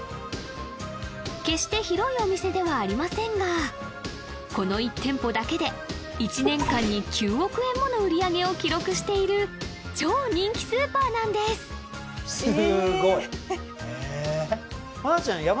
決して広いお店ではありませんがこの１店舗だけで１年間に９億円もの売り上げを記録している超人気スーパーなんです真奈ちゃん